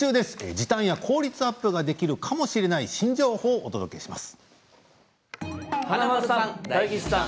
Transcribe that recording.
時短や効率アップができるかもしれない新情報をお届けします。